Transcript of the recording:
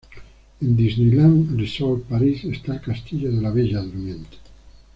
En Disneyland Resort Paris está el Castillo de la Bella Durmiente.